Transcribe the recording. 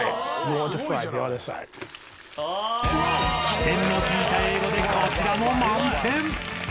［機転の利いた英語でこちらも］